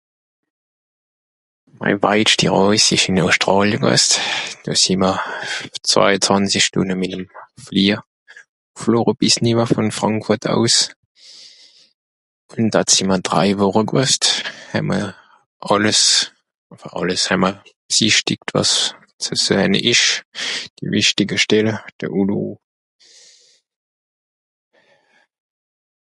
Mei Weitschti ràis s'ìsch ìsch ìn Auschtràlia (...). Do sìì ma zweiezwànzisch Stùnd mìt'm Flìehjer (...) vùn Frànkfùrt aus. Ùn da sìì'mr drei Woche (...). Hää'mr àlles... enfin àlles àlles hàà'mr bsìchtischt wàs ze sehn ìsch, d'wìchtige stelle, de (...)